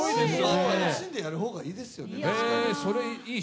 楽しんでやる方がいいですよね。